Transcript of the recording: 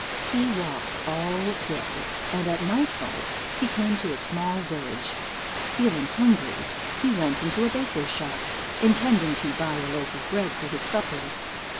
He walked all day, and at nightfall he came to a small village. Feeling hungry, he went into a baker's shop, intending to buy a loaf of bread for his supper.